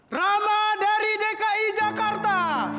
rama dari dki jakarta